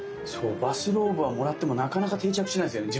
バスローブはもらってもなかなか定着しないんですよね。